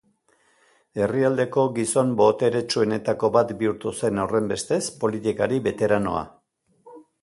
Herrialdeko gizon boteretsuenetako bat bihurtu zen, horrenbestez, politikari beteranoa.